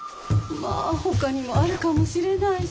まあほかにもあるかもしれないし。